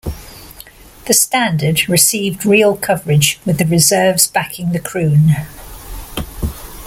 The standard received real coverage with the reserves backing the kroon.